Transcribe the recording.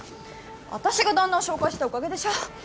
私が旦那を紹介したおかげでしょ